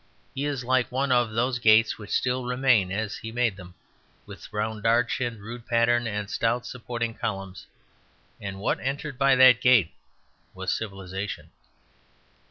He is like one of those gates which still remain as he made them, with round arch and rude pattern and stout supporting columns; and what entered by that gate was civilization.